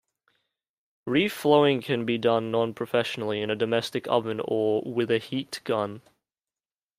Reflowing can done non-professionally in a domestic oven or with a heat gun.